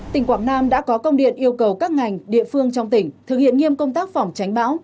tỉnh quảng nam đã có công điện yêu cầu các ngành địa phương trong tỉnh thực hiện nghiêm công tác phòng tránh bão